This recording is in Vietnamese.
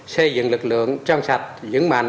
xây dựng lực lượng trang sạch dưỡng mạnh